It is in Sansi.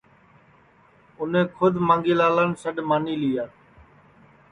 اُنے کھود مانگھی لالان ٻو سڈؔ مانی لیا